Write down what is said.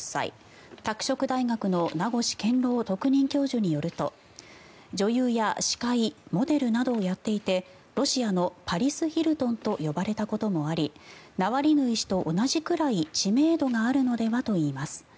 拓殖大学の名越健郎特任教授によると女優や司会、モデルなどをやっていてロシアのパリス・ヒルトンと呼ばれたこともありナワリヌイ氏と同じくらい知名度があるのではといいます。